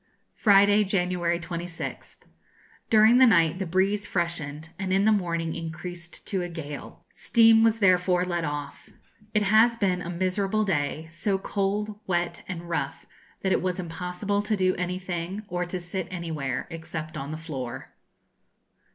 Friday, January 26th. During the night the breeze freshened, and in the morning increased to a gale. Steam was therefore let off. It has been a miserable day; so cold, wet, and rough, that it was impossible to do anything, or to sit anywhere, except on the floor.